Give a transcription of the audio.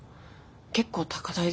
結構高台ですよね。